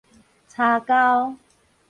柴鉤